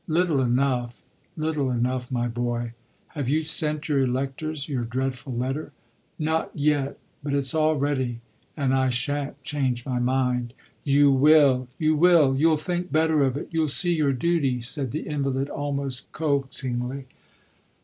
"Little enough little enough, my boy. Have you sent your electors your dreadful letter?" "Not yet; but it's all ready and I shan't change my mind." "You will you will. You'll think better of it. You'll see your duty," said the invalid almost coaxingly.